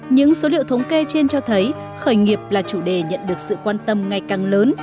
những số liệu thống kê trên cho thấy khởi nghiệp là chủ đề nhận được sự quan tâm ngày càng lớn